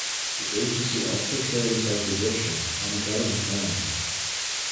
The agency also carries out eviction on government land.